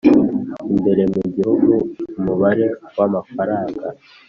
imbere mu gihugu umubare w amafaranga